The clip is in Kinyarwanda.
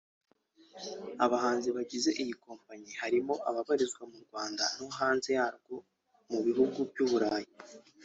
Abahanzi bagize iyi kompanyi harimo ababarizwa mu Rwanda no hanze yarwo mu bihugu by’i Burayi